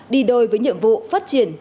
đi đôi với nhiệm vụ phát triển